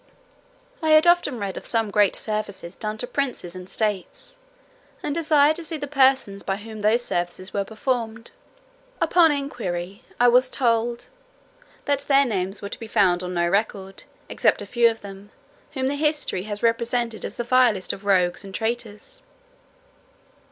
I had often read of some great services done to princes and states, and desired to see the persons by whom those services were performed. Upon inquiry I was told, "that their names were to be found on no record, except a few of them, whom history has represented as the vilest of rogues and traitors."